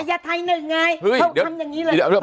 ยาไทยหนึ่งไงเขาทำอย่างนี้เลย